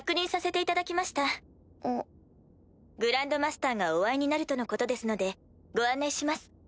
自由組合総帥がお会いになるとのことですのでご案内します。